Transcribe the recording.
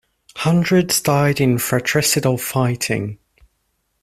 Hundreds died in fratricidal fighting.